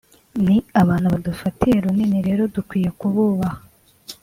ni abantu badufatiye runini rero dukwiye kububaha